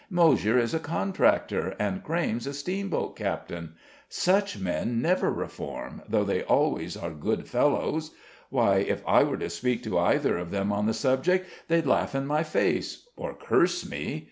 "Moshier is a contractor, and Crayme's a steamboat captain; such men never reform, though they always are good fellows. Why, if I were to speak to either of them on the subject, they'd laugh in my face, or curse me.